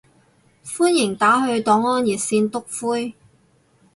歡迎打去黨安熱線篤灰